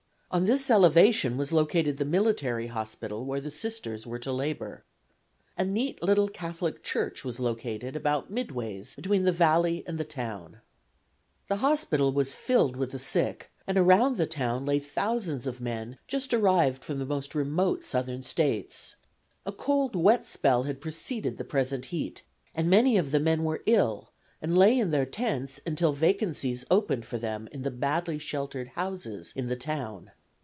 On this elevation was located the military hospital where the Sisters were to labor. A neat little Catholic church was located about midway between the valley and the town. [Illustration: BOMBARDMENT OF FORT SUMTER.] The hospital was filled with the sick, and around the town lay thousands of men just arrived from the most remote Southern States. A cold wet spell had preceded the present heat, and many of the men were ill and lay in their tents until vacancies opened for them in the badly sheltered houses in the town.